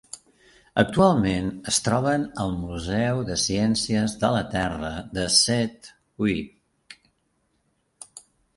Actualment es troben al Museu de Ciències de la Terra de Sedgwick.